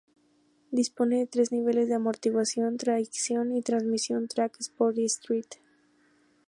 Dispone de tres niveles de amortiguación, tracción y transmisión: "Track", "Sport" y "Street".